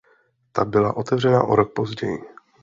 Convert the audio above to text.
Ta byla otevřena o rok později.